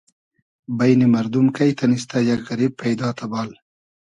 بݷنی مئردوم کݷ تئنیستۂ یئگ غئریب پݷدا تئبال